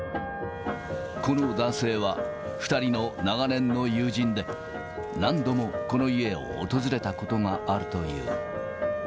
この男性は、２人の長年の友人で、何度もこの家を訪れたことがあるという。